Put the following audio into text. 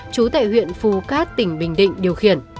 chú tại huyện phú cát tỉnh bình định điều khiển